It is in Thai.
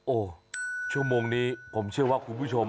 โอ้โหชั่วโมงนี้ผมเชื่อว่าคุณผู้ชม